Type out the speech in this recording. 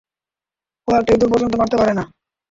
ও একটা ইঁদুর পর্যন্ত মারতে পারে না।